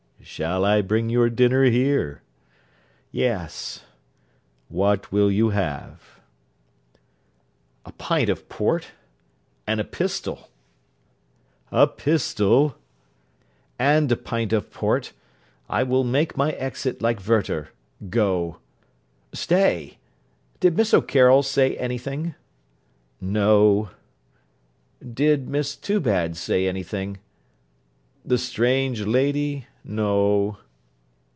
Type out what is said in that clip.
'Shall I bring your dinner here?' 'Yes.' 'What will you have?' 'A pint of port and a pistol.' 'A pistol!' 'And a pint of port. I will make my exit like Werter. Go. Stay. Did Miss O'Carroll say any thing?' 'No.' 'Did Miss Toobad say any thing?' 'The strange lady? No.'